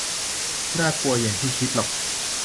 'ไม่น่ากลัวอย่างที่คิดหรอก'